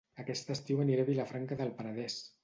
Aquest estiu aniré a Vilafranca del Penedès